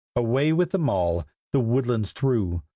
Away with them all, the woodlands through.